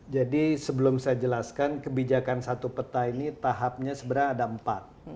jadi sebelum saya jelaskan kebijakan satu peta ini tahapnya sebenarnya ada empat